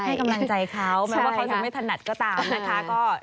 ให้กำลังใจเขาแม้ว่าเขาจะไม่ถนัดก็ตามนะคะ